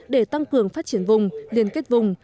để tăng cường phát triển vùng liên kết vùng